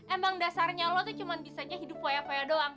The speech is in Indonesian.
emang dasarnya lo tuh cuman bisanya hidup waya waya doang